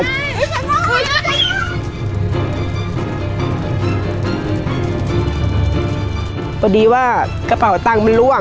พอดีว่ากระเป๋าตังค์มันล่วง